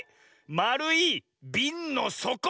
まるいびんのそこ！